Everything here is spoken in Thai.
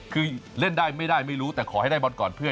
คือเล่นได้ไม่ได้ไม่รู้แต่ขอให้ได้บอลก่อนเพื่อน